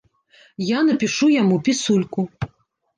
Я напішу яму пісульку.